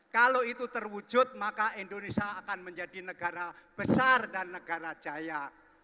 kalau itu terwujud maka indonesia akan menjadi negara besar dan negara jaya